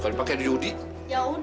kenapa berasing sekaligus